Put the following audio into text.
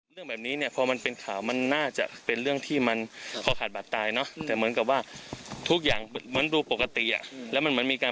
ดูขึ้นเมื่อเช่นทำลายหลักฐานจัดพิธีสตบ